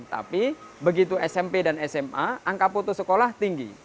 tapi begitu smp dan sma angka putus sekolah tinggi